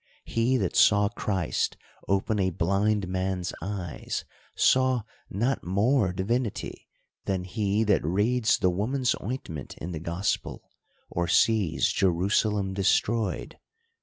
He that saw Christ open a blind man's eyes, saw not more divinity, than he that reads the woman's ointment in the gospel, or sees Jerusalem destroyed.